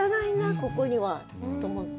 ここにはと思って。